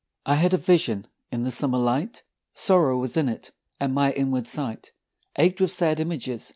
I had a vision in the summer light Sorrow was in it, and my inward sight Ached with sad images.